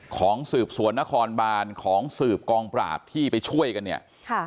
ของสืบสวนนครบานของสืบกองปราบที่ไปช่วยกันเนี่ยค่ะ